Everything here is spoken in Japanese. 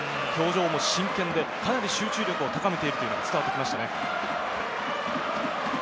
表情も真剣でかなり集中力を高めているのが伝わってきました。